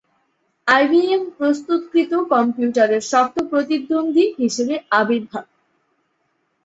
I B M প্রস্তুতকৃত কম্পিউটারের শক্ত প্রতিদ্বন্দ্বী হিসাবে আবির্ভাব।